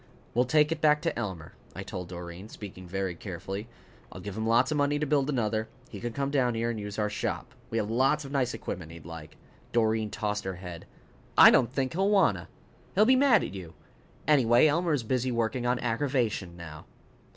"We'll take it back to Elmer," I told Doreen, speaking very carefully. "I'll give him lots of money to build another. He can come down here and use our shop. We have lots of nice equipment he'd like." Doreen tossed her head. "I don't think he'll wanta. He'll be mad at you. Anyway, Elmer is busy working on aggravation now."